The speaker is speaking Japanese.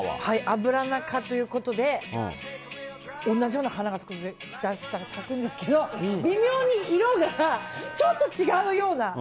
アブラナ科ということで同じような花が咲くんですけど微妙に色がちょっと違うような。